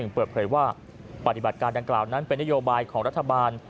เปิดเผยว่าปฏิบัติการดังกล่าวนั้นเป็นนโยบายของรัฐบาล